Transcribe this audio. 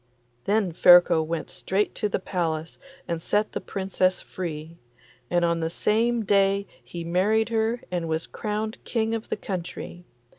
Then Ferko went straight to the palace and set the Princess free, and on the same day he married her and was crowned King of the country.